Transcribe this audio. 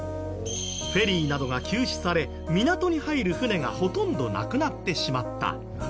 フェリーなどが休止され港に入る船がほとんどなくなってしまった。